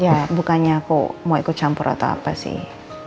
ya bukannya kok mau ikut campur atau apa sih